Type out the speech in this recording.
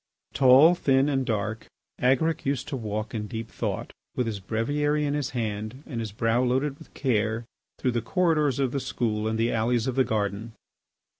Tall, thin, and dark, Agaric used to walk in deep thought, with his breviary in his hand and his brow loaded with care, through the corridors of the school and the alleys of the garden.